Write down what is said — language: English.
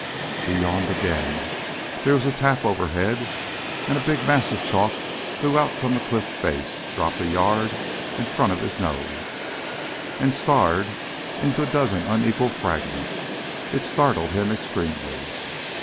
He yawned again. There was a tap overhead, and a big mass of chalk flew out from the cliff face, dropped a yard in front of his nose, and starred into a dozen unequal fragments. It startled him extremely.